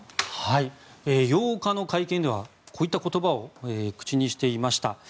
８日の会見ではこういった言葉を口にしていました。